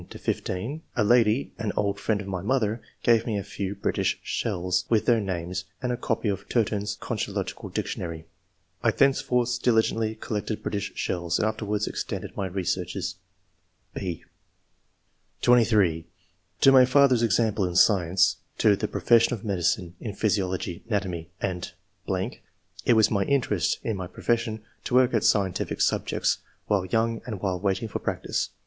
13 15, a lady, an old friend of my mother, gave me a few British shells, with their names, and a copy of *Turton's Concho logical Dictionary.' I thenceforth diligently collected British shells, and afterwards extended my researches." (6) (23) " To my father's example (in science) ; to the profession of medicine (in physiology, ana tomy, and ....). It was my interest in my profession to work at scientific subjects, while young and while waiting for practice.